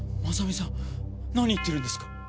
真実さん何言ってるんですか？